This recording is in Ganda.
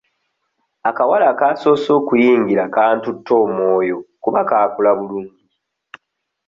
Akawala akasoose okuyingira kantutte omwoyo kuba kaakula bulungi.